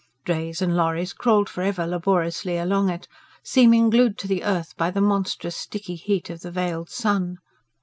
Drays and lorries crawled for ever laboriously along it, seeming glued to the earth by the monstrous sticky heat of the veiled sun.